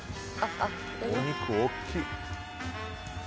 お肉大きい。